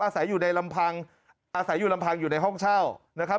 อาศัยอยู่ในลำพังอาศัยอยู่ลำพังอยู่ในห้องเช่านะครับ